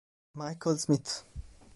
Michael Smith